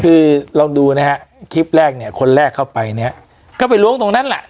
คือลองดูนะฮะคลิปแรกเนี่ยคนแรกเข้าไปเนี่ยก็ไปล้วงตรงนั้นแหละ